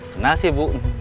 kenal sih bu